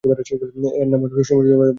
এর অন্য নাম সুমেরু বা ভৌগোলিক উত্তর মেরু।